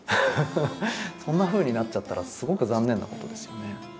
そんなふうになっちゃったらすごく残念なことですよね。